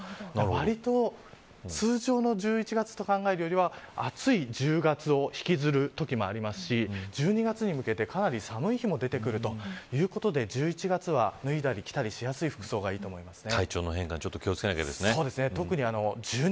わりと通常の１１月と考えるよりは暑い１０月を引きずるときもありますし１２月に向けて、かなり寒い日も出てくるということで１１月は脱いだり着たりしやすい服装がいいと思いますね。